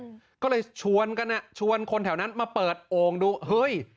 อืมก็เลยชวนกันอ่ะชวนคนแถวนั้นมาเปิดโอ่งดูเฮ้ย